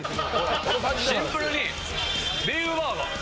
シンプルにビーフバーガー。